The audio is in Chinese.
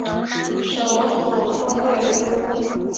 首府通贝斯。